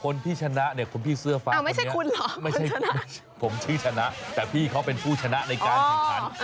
คนพี่ชนะเนี่ยคนพี่เชื่อคำว่าพี่เชื่อฟ้าคนพี่ชนะแต่พี่เค้าเป็นผู้ชนะในการการ์ดขน